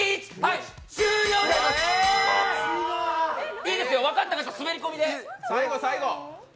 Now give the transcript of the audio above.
いいですよ、分かった方滑り込みで。